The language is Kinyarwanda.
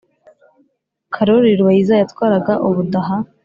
Karoli Rubayiza yatwaraga Ubudaha.